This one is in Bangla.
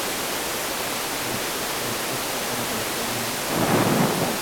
কিন্তু এ তর্কের তো কোনো দরকার নেই।